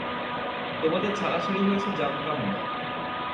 তোমাদের ছাড়াছাড়ি হয়েছে জানতাম ণা।